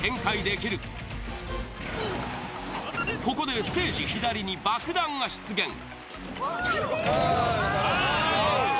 ここでステージ左に爆弾が出現。